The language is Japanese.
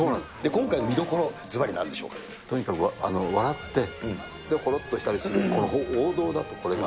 今回の見どころ、ずばりなんとにかく笑って、ほろっとしたりする王道だと、これが。